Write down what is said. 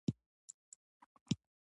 ازادي راډیو د ورزش ستونزې راپور کړي.